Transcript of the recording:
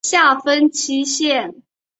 下分七县。